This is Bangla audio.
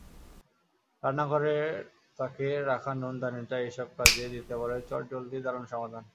রান্নাঘরের তাকে রাখা নুনদানিটাই এসব কাজে দিতে পারে চটজলদি দারুণ সমাধান।